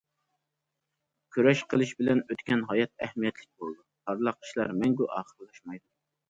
كۈرەش قىلىش بىلەن ئۆتكەن ھايات ئەھمىيەتلىك بولىدۇ، پارلاق ئىشلار مەڭگۈ ئاخىرلاشمايدۇ.